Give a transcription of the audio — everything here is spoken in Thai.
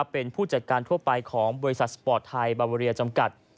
เป็นผู้จัดการทั่วไปของบริษัทสปอร์ตไทยบาเวอเรียจำกัด